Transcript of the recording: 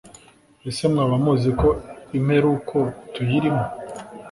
Ese mwaba muzi ko imperuko tuyirimo